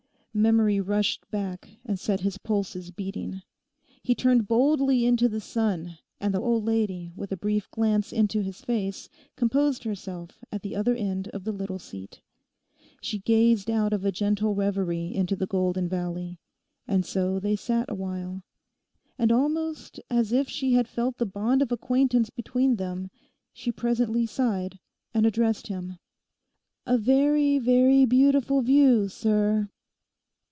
Memory rushed back and set his pulses beating. He turned boldly to the sun, and the old lady, with a brief glance into his face, composed herself at the other end of the little seat. She gazed out of a gentle reverie into the golden valley. And so they sat a while. And almost as if she had felt the bond of acquaintance between them, she presently sighed, and addressed him: 'A very, very, beautiful view, sir.